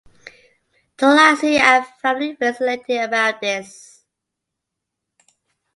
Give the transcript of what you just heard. Tulasi and family feels elated about this.